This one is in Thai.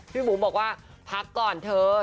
บุ๋มบอกว่าพักก่อนเถอะ